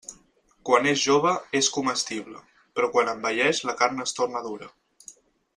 Quan és jove és comestible però quan envelleix la carn es torna dura.